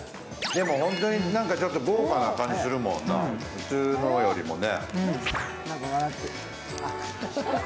本当にちょっと豪華な感じするもんな、普通のよりもね。